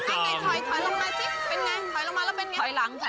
ไอ้เจนถอยลงมาสิเป็นยังไงถอยลงมาแล้วเป็นยังไง